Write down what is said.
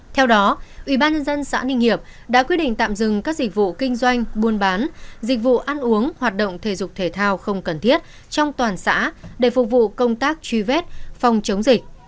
theo đó ubnd xã ninh hiệp đã quyết định tạm dừng các dịch vụ kinh doanh buôn bán dịch vụ ăn uống hoạt động thể dục thể thao không cần thiết trong toàn xã để phục vụ công tác truy vết phòng chống dịch